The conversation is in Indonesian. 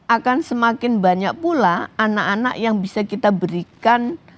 akan semakin banyak pula anak anak yang bisa kita berikan